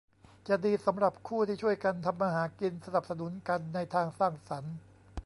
จะดีสำหรับคู่ที่ช่วยกันทำมาหากินสนับสนุนกันในทางสร้างสรรค์